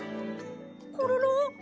コロロ！？